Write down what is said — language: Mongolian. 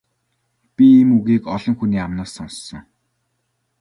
Би ийм үгийг олон хүний амнаас сонссон.